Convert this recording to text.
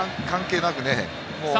関係なくね。